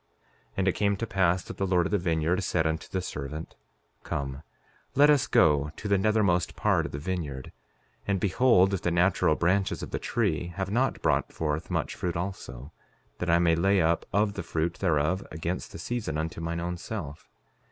5:19 And it came to pass that the Lord of the vineyard said unto the servant: Come, let us go to the nethermost part of the vineyard, and behold if the natural branches of the tree have not brought forth much fruit also, that I may lay up of the fruit thereof against the season, unto mine own self.